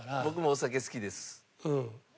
僕もお酒好きです。